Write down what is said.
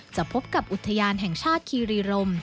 พบกับอุทยานแห่งชาติคีรีรม